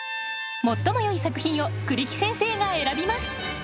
最もよい作品を栗木先生が選びます。